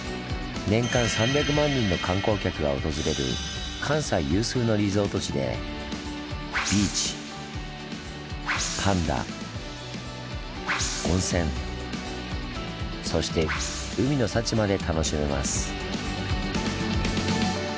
年間３００万人の観光客が訪れる関西有数のリゾート地でビーチパンダ温泉そして海の幸まで楽しめます。